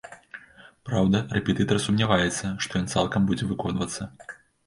Праўда, рэпетытар сумняваецца, што ён цалкам будзе выконвацца.